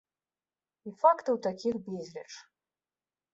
І фактаў такіх безліч.